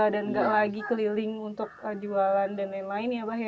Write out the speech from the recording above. dan nggak lagi keliling untuk jualan dan lain lain ya